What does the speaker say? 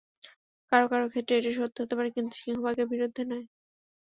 কারও কারও ক্ষেত্রে এটি সত্যি হতে পারে, কিন্তু সিংহভাগের বিরুদ্ধে নয়।